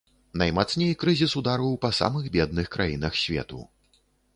Наймацней крызіс ударыў па самых бедных краінах свету.